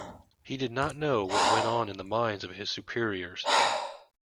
He did not know what went on in the minds of his superiors.